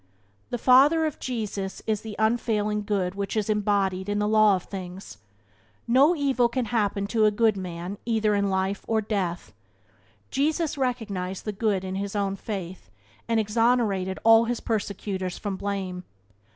The Father of Jesus is the Unfailing Good which is embodied in the law of things. "No evil can happen to a good man either in life or death." Jesus recognized the good in his own fate, and exonerated all his persecutors from blame.